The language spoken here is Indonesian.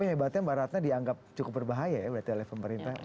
ini hebatnya mbak ratna dianggap cukup berbahaya ya berarti oleh pemerintah